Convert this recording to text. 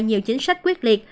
nhiều chính sách quyết liệt